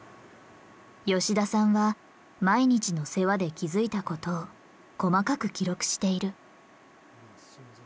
吉田さんは毎日の世話で気づいたことを細かく記録している。